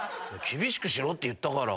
厳しくしろって言ったから。